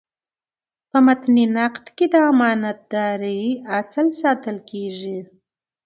په متني نقد کي د امانت دارۍاصل ساتل کیږي.